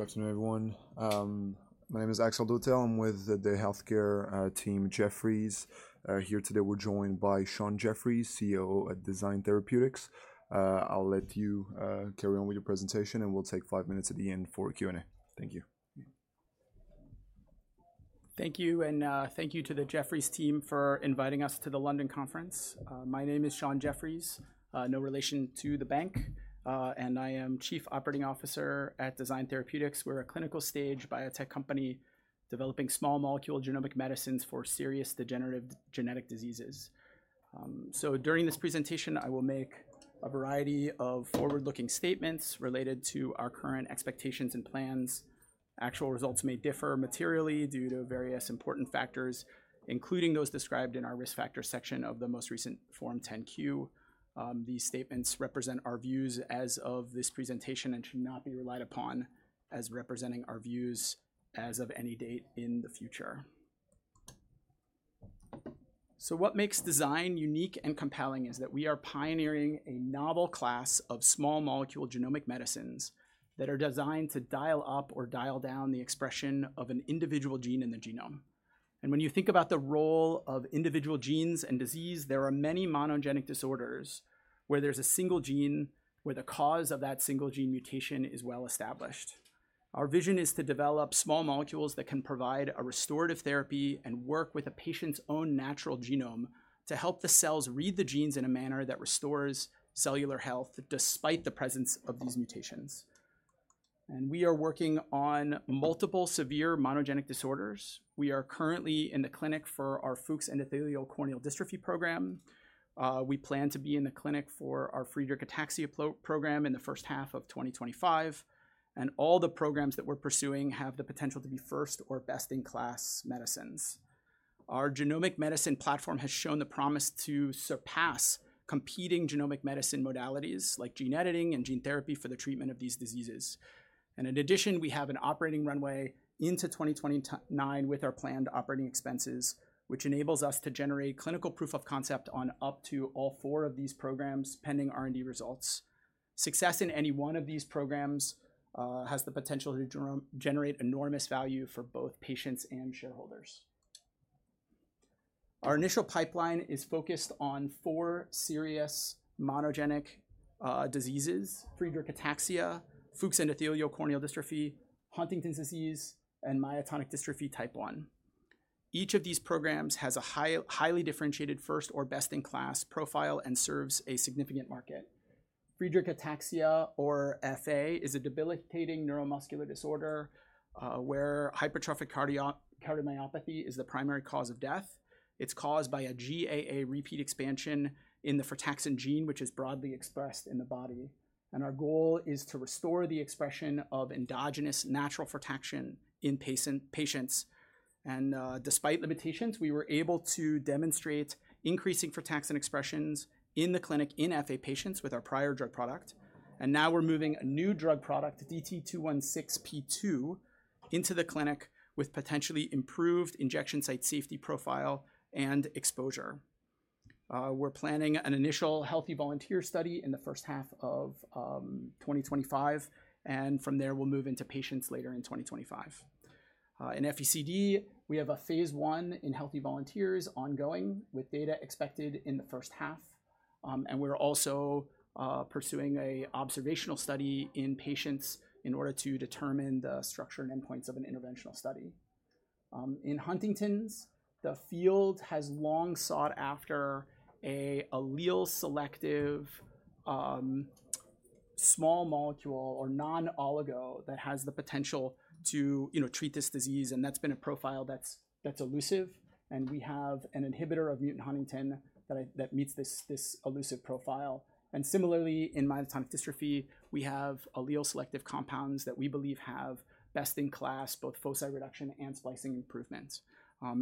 Good afternoon, everyone. My name is Axel Dutte. I'm with the U.K. Healthcare team, Jefferies. Here today, we're joined by Sean Jefferies, CEO at Design Therapeutics. I'll let you carry on with your presentation, and we'll take five minutes at the end for Q&A. Thank you. Thank you, and thank you to the Jefferies team for inviting us to the London conference. My name is Sean Jeffries, no relation to the bank, and I am Chief Operating Officer at Design Therapeutics. We're a clinical stage biotech company developing small molecule genomic medicines for serious degenerative genetic diseases. So during this presentation, I will make a variety of forward-looking statements related to our current expectations and plans. Actual results may differ materially due to various important factors, including those described in our risk factor section of the most recent Form 10-Q. These statements represent our views as of this presentation and should not be relied upon as representing our views as of any date in the future. So what makes Design unique and compelling is that we are pioneering a novel class of small molecule genomic medicines that are designed to dial up or dial down the expression of an individual gene in the genome. And when you think about the role of individual genes and disease, there are many monogenic disorders where there's a single gene where the cause of that single gene mutation is well established. Our vision is to develop small molecules that can provide a restorative therapy and work with a patient's own natural genome to help the cells read the genes in a manner that restores cellular health despite the presence of these mutations. And we are working on multiple severe monogenic disorders. We are currently in the clinic for our Fuchs endothelial corneal dystrophy program. We plan to be in the clinic for our Friedreich ataxia program in the first half of 2025. And all the programs that we're pursuing have the potential to be first or best-in-class medicines. Our genomic medicine platform has shown the promise to surpass competing genomic medicine modalities like gene editing and gene therapy for the treatment of these diseases. And in addition, we have an operating runway into 2029 with our planned operating expenses, which enables us to generate clinical proof of concept on up to all four of these programs pending R&D results. Success in any one of these programs has the potential to generate enormous value for both patients and shareholders. Our initial pipeline is focused on four serious monogenic diseases: Friedreich ataxia, Fuchs endothelial corneal dystrophy, Huntington's disease, and myotonic dystrophy type 1. Each of these programs has a highly differentiated first or best-in-class profile and serves a significant market. Friedreich ataxia, or FA, is a debilitating neuromuscular disorder where hypertrophic cardiomyopathy is the primary cause of death. It's caused by a GAA repeat expansion in the frataxin gene, which is broadly expressed in the body, and our goal is to restore the expression of endogenous natural frataxin in patients, and despite limitations, we were able to demonstrate increasing frataxin expressions in the clinic in FA patients with our prior drug product, and now we're moving a new drug product, DT216P2, into the clinic with potentially improved injection site safety profile and exposure. We're planning an initial healthy volunteer study in the first half of 2025, and from there, we'll move into patients later in 2025. In FECD, we have a phase one in healthy volunteers ongoing with data expected in the first half. And we're also pursuing an observational study in patients in order to determine the structure and endpoints of an interventional study. In Huntington's, the field has long sought after an allele-selective small molecule or non-oligo that has the potential to treat this disease. And that's been a profile that's elusive. And we have an inhibitor of mutant Huntington that meets this elusive profile. And similarly, in myotonic dystrophy, we have allele-selective compounds that we believe have best-in-class both foci reduction and splicing improvements.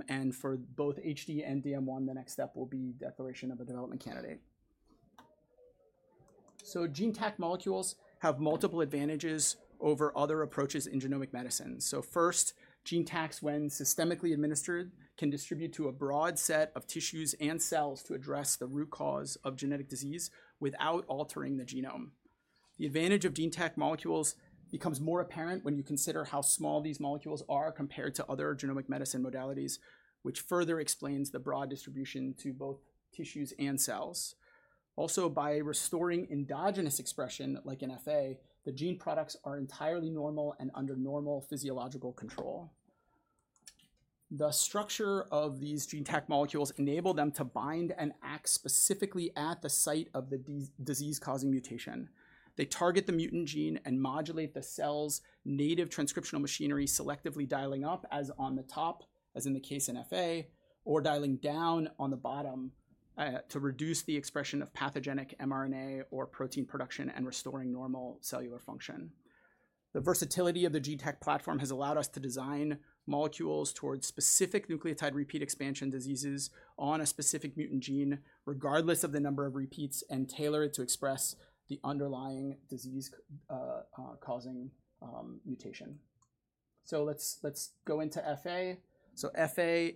And for both HD and DM1, the next step will be declaration of a development candidate. So GeneTAC molecules have multiple advantages over other approaches in genomic medicine. So first, GeneTACs, when systemically administered, can distribute to a broad set of tissues and cells to address the root cause of genetic disease without altering the genome. The advantage of GeneTAC molecules becomes more apparent when you consider how small these molecules are compared to other genomic medicine modalities, which further explains the broad distribution to both tissues and cells. Also, by restoring endogenous expression like in FA, the gene products are entirely normal and under normal physiological control. The structure of these GeneTAC molecules enables them to bind and act specifically at the site of the disease-causing mutation. They target the mutant gene and modulate the cell's native transcriptional machinery, selectively dialing up as on the top, as in the case in FA, or dialing down on the bottom to reduce the expression of pathogenic mRNA or protein production and restoring normal cellular function. The versatility of the GeneTAC platform has allowed us to design molecules towards specific nucleotide repeat expansion diseases on a specific mutant gene, regardless of the number of repeats, and tailor it to express the underlying disease-causing mutation. So let's go into FA. So the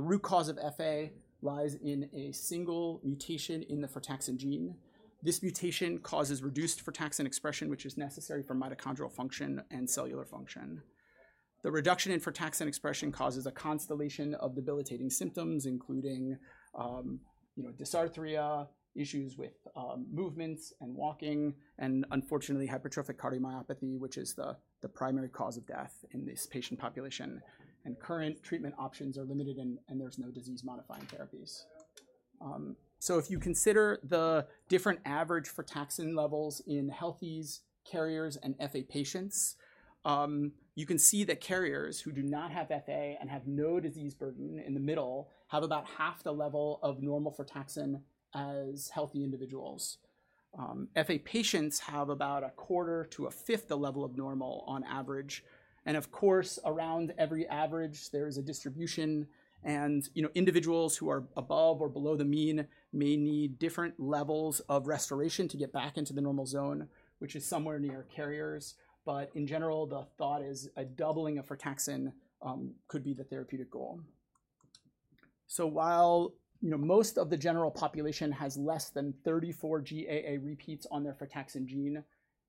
root cause of FA lies in a single mutation in the frataxin gene. This mutation causes reduced frataxin expression, which is necessary for mitochondrial function and cellular function. The reduction in frataxin expression causes a constellation of debilitating symptoms, including dysarthria, issues with movements and walking, and unfortunately, hypertrophic cardiomyopathy, which is the primary cause of death in this patient population, and current treatment options are limited, and there's no disease-modifying therapies. So if you consider the different average frataxin levels in healthy carriers and FA patients, you can see that carriers who do not have FA and have no disease burden in the middle have about half the level of normal frataxin as healthy individuals. FA patients have about a quarter to a fifth the level of normal on average. And of course, around every average, there is a distribution. And individuals who are above or below the mean may need different levels of restoration to get back into the normal zone, which is somewhere near carriers. But in general, the thought is a doubling of frataxin could be the therapeutic goal. So while most of the general population has less than 34 GAA repeats on their frataxin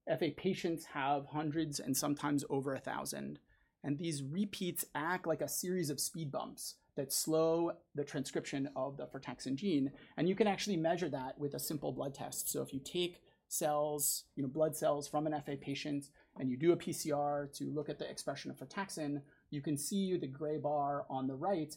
gene, FA patients have hundreds and sometimes over a thousand. These repeats act like a series of speed bumps that slow the transcription of the frataxin gene. You can actually measure that with a simple blood test. If you take blood cells from an FA patient and you do a PCR to look at the expression of frataxin, you can see the gray bar on the right.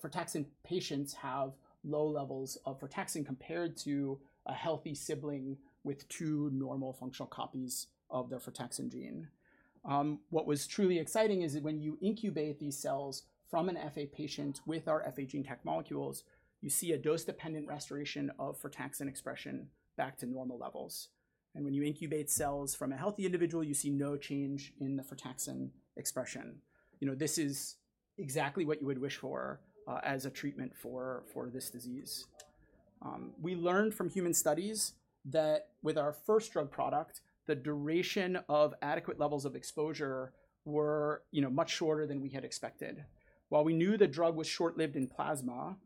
FA patients have low levels of frataxin compared to a healthy sibling with two normal functional copies of their frataxin gene. What was truly exciting is that when you incubate these cells from an FA patient with our FA GeneTAC molecules, you see a dose-dependent restoration of frataxin expression back to normal levels. When you incubate cells from a healthy individual, you see no change in the frataxin expression. This is exactly what you would wish for as a treatment for this disease. We learned from human studies that with our first drug product, the duration of adequate levels of exposure was much shorter than we had expected. While we knew the drug was short-lived in plasma,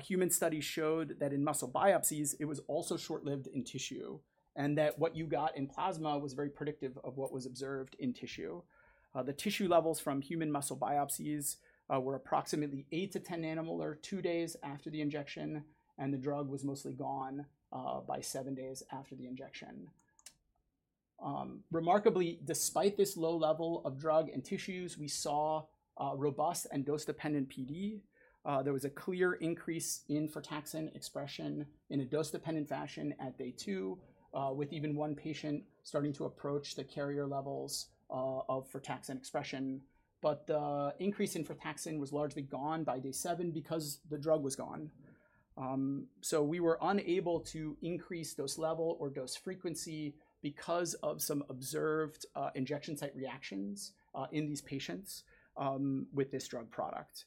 human studies showed that in muscle biopsies, it was also short-lived in tissue, and that what you got in plasma was very predictive of what was observed in tissue. The tissue levels from human muscle biopsies were approximately eight to 10 nanomolar two days after the injection, and the drug was mostly gone by seven days after the injection. Remarkably, despite this low level of drug and tissues, we saw robust and dose-dependent PD. There was a clear increase in frataxin expression in a dose-dependent fashion at day two, with even one patient starting to approach the carrier levels of frataxin expression. But the increase in frataxin was largely gone by day seven because the drug was gone. So we were unable to increase dose level or dose frequency because of some observed injection site reactions in these patients with this drug product.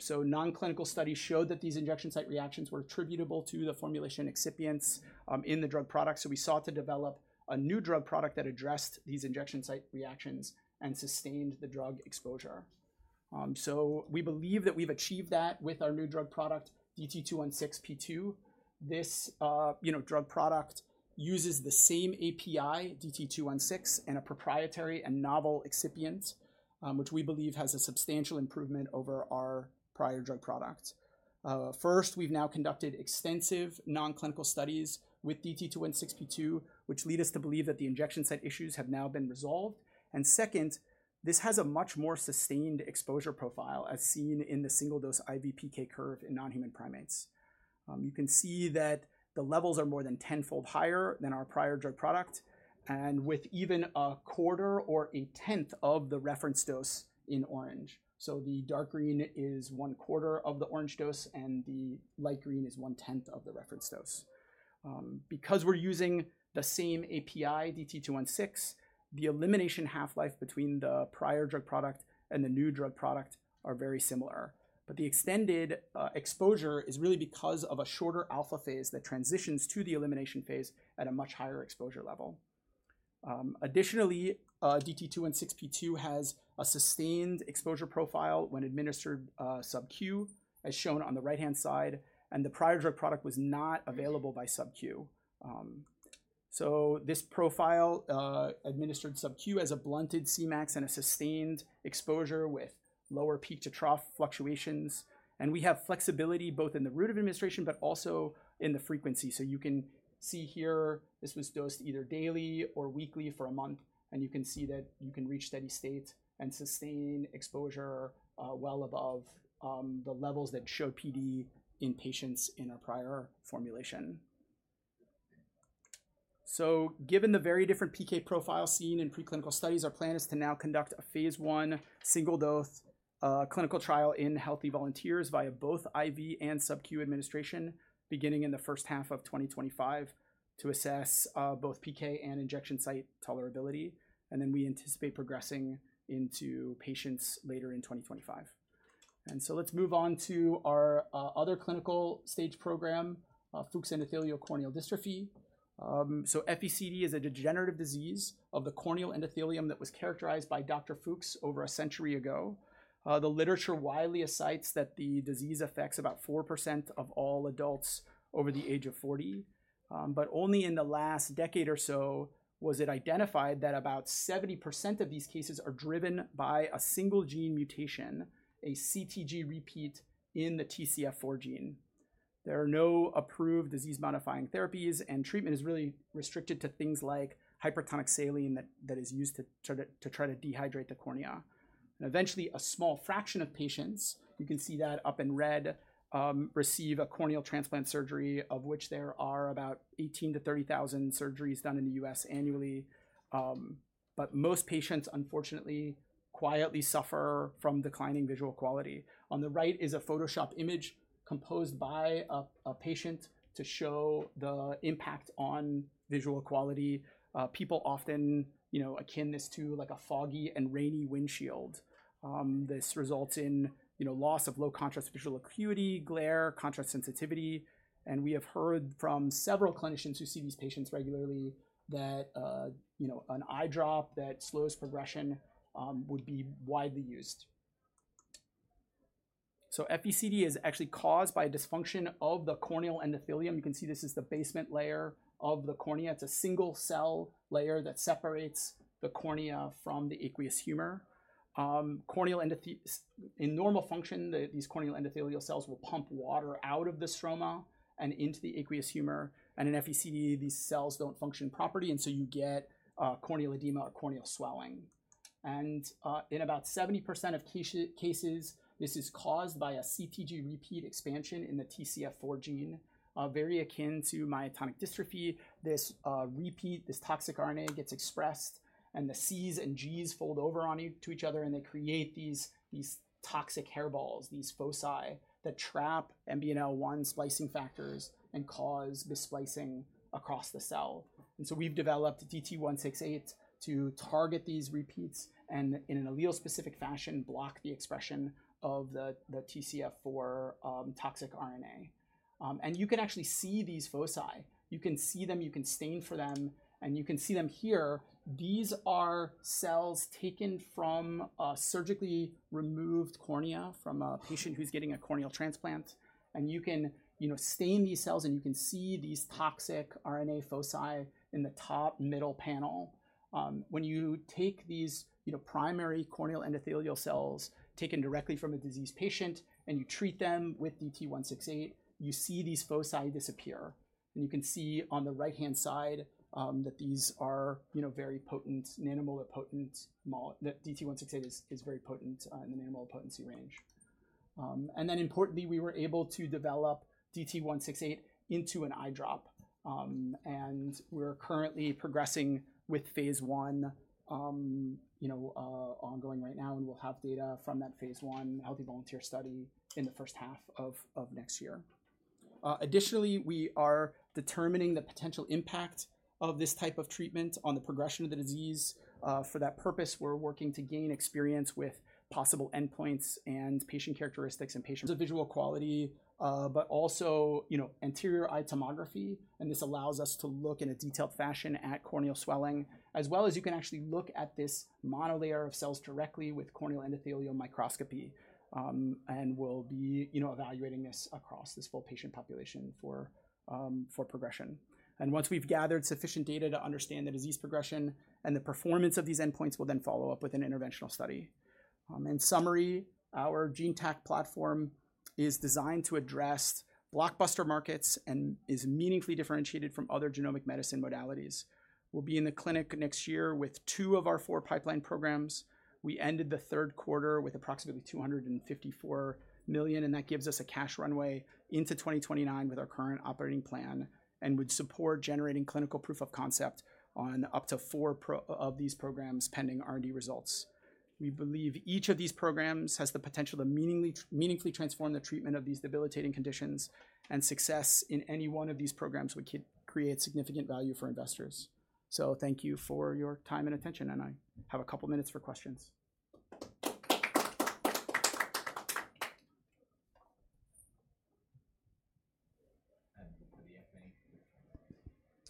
So non-clinical studies showed that these injection site reactions were attributable to the formulation excipients in the drug product. So we sought to develop a new drug product that addressed these injection site reactions and sustained the drug exposure. So we believe that we've achieved that with our new drug product, DT216P2. This drug product uses the same API, DT216, and a proprietary and novel excipient, which we believe has a substantial improvement over our prior drug product. First, we've now conducted extensive non-clinical studies with DT216P2, which lead us to believe that the injection site issues have now been resolved. And second, this has a much more sustained exposure profile, as seen in the single-dose IV PK curve in non-human primates. You can see that the levels are more than tenfold higher than our prior drug product, and with even a quarter or a tenth of the reference dose in orange. So the dark green is one quarter of the orange dose, and the light green is one tenth of the reference dose. Because we're using the same API, DT216, the elimination half-life between the prior drug product and the new drug product is very similar. But the extended exposure is really because of a shorter alpha phase that transitions to the elimination phase at a much higher exposure level. Additionally, DT216P2 has a sustained exposure profile when administered SubQ, as shown on the right-hand side. And the prior drug product was not available by SubQ. This profile administered SubQ as a blunted Cmax and a sustained exposure with lower peak-to-trough fluctuations. We have flexibility both in the route of administration but also in the frequency. You can see here, this was dosed either daily or weekly for a month. You can see that you can reach steady state and sustain exposure well above the levels that showed PD in patients in our prior formulation. Given the very different PK profile seen in preclinical studies, our plan is to now conduct a phase 1 single-dose clinical trial in healthy volunteers via both IV and SubQ administration, beginning in the first half of 2025, to assess both PK and injection site tolerability. Then we anticipate progressing into patients later in 2025. Let's move on to our other clinical stage program, Fuchs endothelial corneal dystrophy. So FECD is a degenerative disease of the corneal endothelium that was characterized by Dr. Fuchs over a century ago. The literature widely asserts that the disease affects about 4% of all adults over the age of 40. But only in the last decade or so was it identified that about 70% of these cases are driven by a single gene mutation, a CTG repeat in the TCF4 gene. There are no approved disease-modifying therapies, and treatment is really restricted to things like hypertonic saline that is used to try to dehydrate the cornea. And eventually, a small fraction of patients, you can see that up in red, receive a corneal transplant surgery, of which there are about 18,000-30,000 surgeries done in the U.S. annually. But most patients, unfortunately, quietly suffer from declining visual quality. On the right is a Photoshop image composed by a patient to show the impact on visual quality. People often liken this to a foggy and rainy windshield. This results in loss of low contrast visual acuity, glare, contrast sensitivity. And we have heard from several clinicians who see these patients regularly that an eye drop that slows progression would be widely used. So FECD is actually caused by dysfunction of the corneal endothelium. You can see this is the basement layer of the cornea. It's a single cell layer that separates the cornea from the aqueous humor. In normal function, these corneal endothelial cells will pump water out of the stroma and into the aqueous humor. And in FECD, these cells don't function properly. And so you get corneal edema or corneal swelling. And in about 70% of cases, this is caused by a CTG repeat expansion in the TCF4 gene, very akin to myotonic dystrophy. This repeat, this toxic RNA gets expressed, and the C's and G's fold over onto each other, and they create these toxic hairballs, these foci that trap MBNL1 splicing factors and cause missplicing across the cell. And so we've developed DT168 to target these repeats and, in an allele-specific fashion, block the expression of the TCF4 toxic RNA. And you can actually see these foci. You can see them. You can stain for them. And you can see them here. These are cells taken from a surgically removed cornea from a patient who's getting a corneal transplant. And you can stain these cells, and you can see these toxic RNA foci in the top middle panel. When you take these primary corneal endothelial cells taken directly from a diseased patient and you treat them with DT168, you see these foci disappear, and you can see on the right-hand side that these are very potent, nanomolar potent. DT168 is very potent in the nanomolar potency range, and then, importantly, we were able to develop DT168 into an eye drop, and we're currently progressing with phase one ongoing right now, and we'll have data from that phase one healthy volunteer study in the first half of next year. Additionally, we are determining the potential impact of this type of treatment on the progression of the disease. For that purpose, we're working to gain experience with possible endpoints and patient characteristics and visual quality, but also anterior eye tomography. This allows us to look in a detailed fashion at corneal swelling, as well as you can actually look at this monolayer of cells directly with corneal endothelial microscopy. We'll be evaluating this across this full patient population for progression. Once we've gathered sufficient data to understand the disease progression and the performance of these endpoints, we'll then follow up with an interventional study. In summary, our GeneTAC platform is designed to address blockbuster markets and is meaningfully differentiated from other genomic medicine modalities. We'll be in the clinic next year with two of our four pipeline programs. We ended the third quarter with approximately $254 million. That gives us a cash runway into 2029 with our current operating plan and would support generating clinical proof of concept on up to four of these programs pending R&D results. We believe each of these programs has the potential to meaningfully transform the treatment of these debilitating conditions. And success in any one of these programs would create significant value for investors. So thank you for your time and attention. And I have a couple of minutes for questions.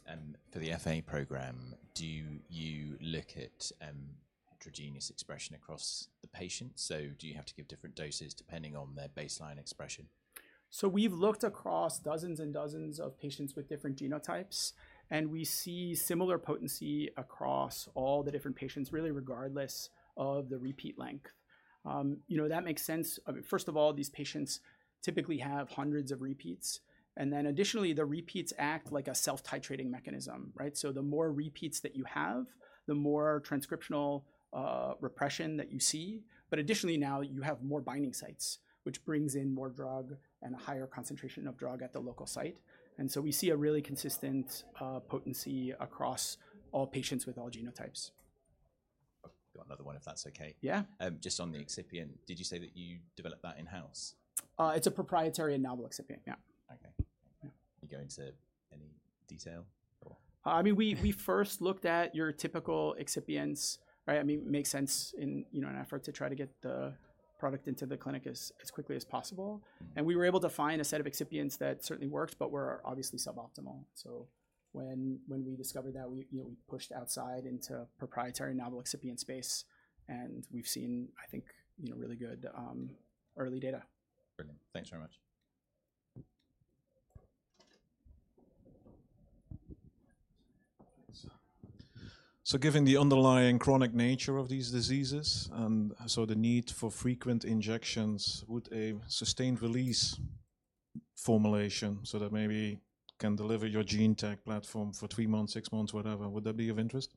And for the FA program, do you look at heterogeneous expression across the patients? So do you have to give different doses depending on their baseline expression? So we've looked across dozens and dozens of patients with different genotypes. And we see similar potency across all the different patients, really regardless of the repeat length. That makes sense. First of all, these patients typically have hundreds of repeats. And then, additionally, the repeats act like a self-titrating mechanism. So the more repeats that you have, the more transcriptional repression that you see. But additionally, now you have more binding sites, which brings in more drug and a higher concentration of drug at the local site. And so we see a really consistent potency across all patients with all genotypes. I've got another one, if that's OK. Yeah. Just on the excipient, did you say that you developed that in-house? It's a proprietary and novel excipient. Yeah. OK. Yeah. Are you going to any detail? I mean, we first looked at your typical excipients. I mean, it makes sense in an effort to try to get the product into the clinic as quickly as possible. And we were able to find a set of excipients that certainly worked, but were obviously suboptimal. So when we discovered that, we pushed outside into proprietary and novel excipient space. And we've seen, I think, really good early data. Brilliant. Thanks very much. Given the underlying chronic nature of these diseases and so the need for frequent injections, would a sustained release formulation so that maybe can deliver your GeneTAC platform for three months, six months, whatever, would that be of interest?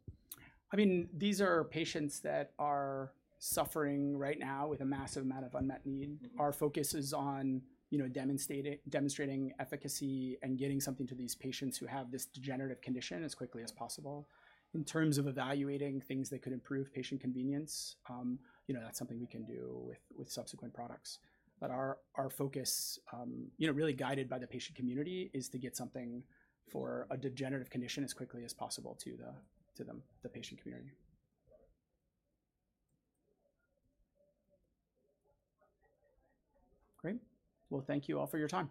I mean, these are patients that are suffering right now with a massive amount of unmet need. Our focus is on demonstrating efficacy and getting something to these patients who have this degenerative condition as quickly as possible. In terms of evaluating things that could improve patient convenience, that's something we can do with subsequent products. But our focus, really guided by the patient community, is to get something for a degenerative condition as quickly as possible to the patient community. Great. Well, thank you all for your time.